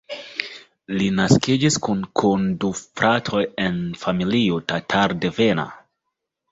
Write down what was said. Li naskiĝis kune kun du fratoj en familio tatar-devena.